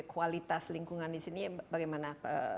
kualitas lingkungan di sini bagaimana